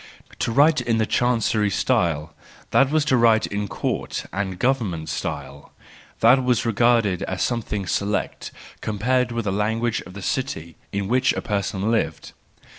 To write in the chancery style, that was to write in court and government style,—that was regarded as something select compared with the language of the city in which a person lived.